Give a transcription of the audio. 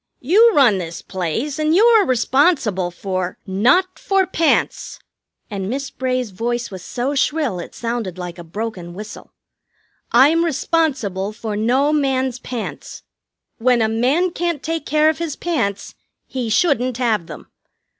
You run this place, and you are responsible for " "Not for pants." And Miss Bray's voice was so shrill it sounded like a broken whistle. "I'm responsible for no man's pants. When a man can't take care of his pants, he shouldn't have them.